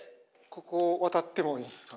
ここを渡ってもいいですか？